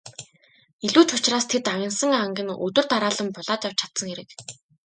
Илүү ч учраас тэд агнасан анг нь өдөр дараалан булааж авч чадсан хэрэг.